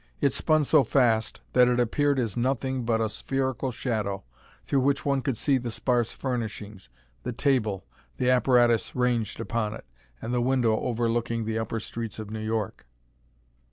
It spun so fast that it appeared as nothing but a spherical shadow, through which one could see the sparse furnishings, the table, the apparatus ranged upon it, and the window over looking the upper streets of New York.